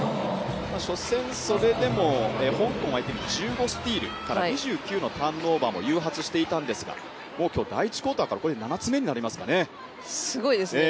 初戦、それでも香港相手に１５スチールから２５のターンオーバーも誘発していたんですが今日第１クオーターからすごいですね。